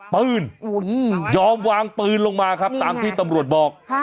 ปืนยอมวางปืนลงมาครับตามที่ตำรวจบอก